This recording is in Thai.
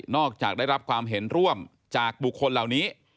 จากได้รับความเห็นร่วมจากบุคคลเหล่านี้